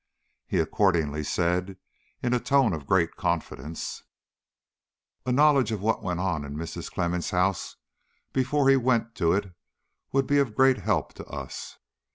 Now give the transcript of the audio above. He accordingly said, in a tone of great confidence: "A knowledge of what went on in Mrs. Clemmens' house before he went to it would be of great help to us.